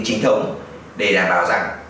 trinh thống để đảm bảo rằng